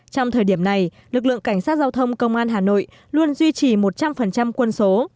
trong thời điểm này lực lượng cảnh sát giao thông công an hà nội luôn duy trì một trăm linh quân số